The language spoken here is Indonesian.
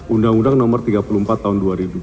undang undang nomor tiga puluh empat tahun dua ribu dua